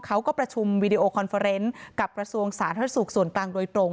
เขาก็ประชุมวิโดยออคอนเฟอร์เซ็นต์กับประสุนสาธารสุขส่วนกลางโดยตรง